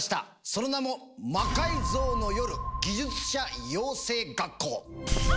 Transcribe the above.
その名も「魔改造の夜技術者養成学校」！